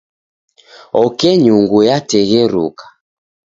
Oke nyungu yategheruka.